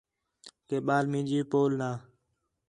کہ ٻال مینجی پول نہ